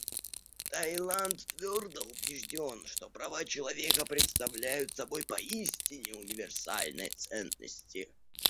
Таиланд твердо убежден, что права человека представляют собой поистине универсальные ценности.